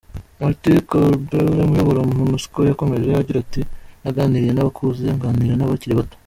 Martin Kobler uyobora Monusco yakomeje agira ati "Naganiriye n’abakuze, nganira n’abakiri bato.